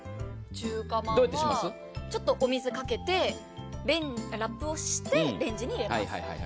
中華まんはお水をかけてラップをしてレンジに入れます。